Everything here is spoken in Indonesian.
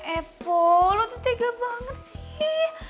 epo lu tuh tega banget sih